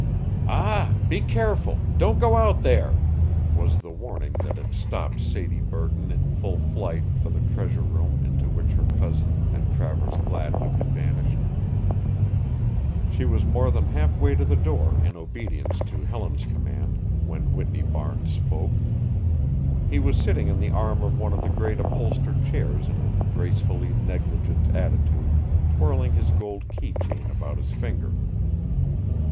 "Ah! Be careful! Don't go out there!" was the warning that had stopped Sadie Burton in full flight for the treasure room into which her cousin and Travers Gladwin had vanished. She was more than half way to the door in obedience to Helen's command when Whitney Barnes spoke. He was sitting on the arm of one of the great upholstered chairs in a gracefully negligent attitude twirling his gold key chain about his finger.